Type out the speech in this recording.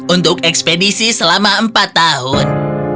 untuk ekspedisi selama empat tahun